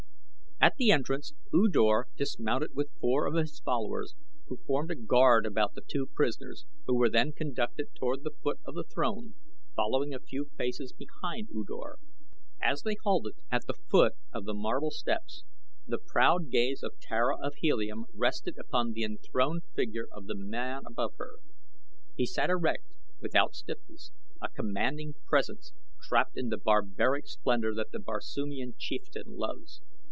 At the entrance U Dor dismounted with four of his followers who formed a guard about the two prisoners who were then conducted toward the foot of the throne, following a few paces behind U Dor. As they halted at the foot of the marble steps, the proud gaze of Tara of Helium rested upon the enthroned figure of the man above her. He sat erect without stiffness a commanding presence trapped in the barbaric splendor that the Barsoomian chieftain loves.